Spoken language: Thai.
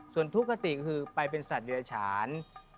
ส่วนทุกคติก็คือไปเป็นสัตว์เดือฉาน